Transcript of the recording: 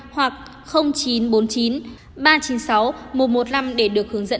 hoặc chín trăm bốn mươi chín ba trăm chín mươi sáu một trăm một mươi năm để được hướng dẫn